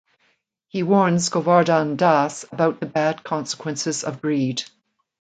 He warns Govardhan Das about the bad consequences of greed.